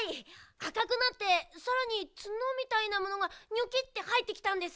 あかくなってさらにツノみたいなものがニョキッてはえてきたんです。